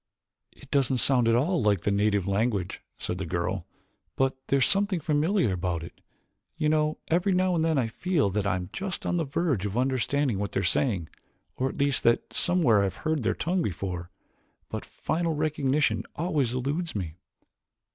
"It doesn't sound at all like the native language," said the girl, "but there is something familiar about it. You know, every now and then I feel that I am just on the verge of understanding what they are saying, or at least that somewhere I have heard their tongue before, but final recognition always eludes me."